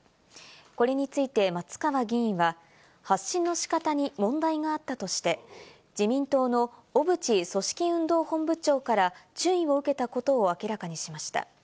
これについて松川議員は発信の仕方に問題があったとして、自民党の小渕組織運動本部長から注意を受けたことを明らかにしました。